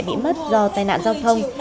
bị mất do tai nạn giao thông